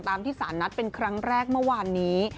ที่สารนัดเป็นครั้งแรกเมื่อวานนี้